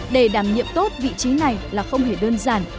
để đảm nhiệm tốt vị trí này là không hề đơn giản